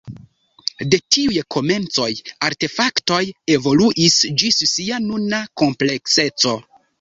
De tiuj komencoj, artefaktoj evoluis ĝis sia nuna komplekseco.